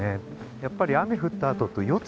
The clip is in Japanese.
やっぱり雨降ったあとと夜露。